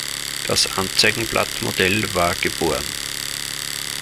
Das Anzeigenblatt-Modell war geboren.